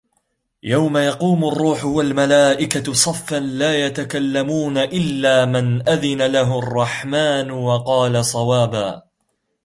يَومَ يَقومُ الرّوحُ وَالمَلائِكَةُ صَفًّا لا يَتَكَلَّمونَ إِلّا مَن أَذِنَ لَهُ الرَّحمنُ وَقالَ صَوابًا